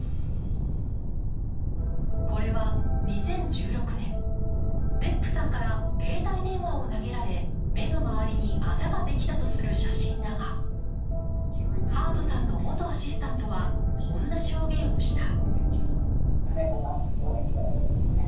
これは、２０１６年、デップさんから携帯電話を投げられ目の周りにあざができたとする写真だが、ハードさんの元アシスタントはこんな証言をした。